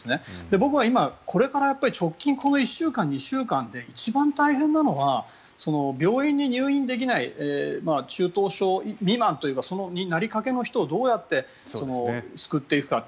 僕は今、これから１週間２週間で一番大変なのは病院に入院できない中等症未満というかそれになりかけの人をどうやって救っていくかと。